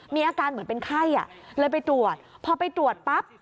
มีอาการเหมือนเป็นไข้เลยไปตรวจพอไปตรวจปั๊บ